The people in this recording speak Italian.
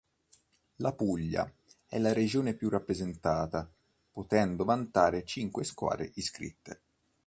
La Puglia è la regione più rappresenta, potendo vantare cinque squadre iscritte.